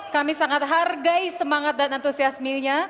kami sangat hargai semangat dan antusiasmenya